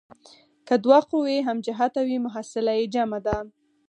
که دوه قوې هم جهته وي محصله یې جمع ده.